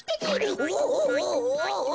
おお。